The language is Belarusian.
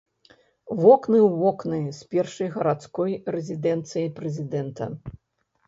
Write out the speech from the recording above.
Вокны ў вокны з першай гарадской рэзідэнцыяй прэзідэнта.